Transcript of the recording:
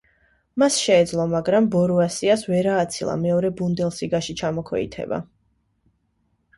მას შეეძლო, მაგრამ „ბორუსიას“ ვერ ააცილა მეორე ბუნდესლიგაში ჩამოქვეითება.